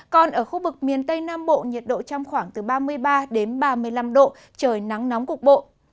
còn ở khu vực miền tây nam bộ nhiệt độ trong khoảng từ ba mươi ba đến ba mươi năm độ trời nắng nóng cục bộ